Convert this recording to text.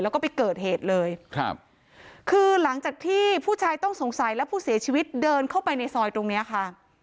แล้วก็ไปเกิดเหตุเลยครับคือหลังจากที่ผู้ชายต้องสงสัยและผู้เสียชีวิตเดินเข้าไปในซอยตรงเนี้ยค่ะ